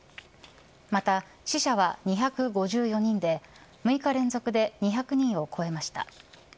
また、死者は２５４人で６日連続で２００人を超えました。